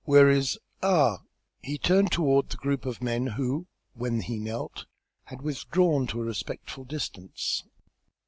"Where is ah!" He turned toward the group of men who, when he knelt, had withdrawn to a respectful distance.